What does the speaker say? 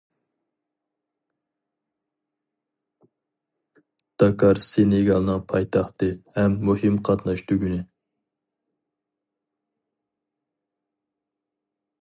داكار سېنېگالنىڭ پايتەختى ھەم مۇھىم قاتناش تۈگۈنى.